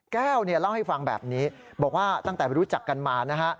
แก้วเนี่ยเล่าให้ฟังแบบนี้บอกว่าตั้งแต่รู้จักกันมานะฮะ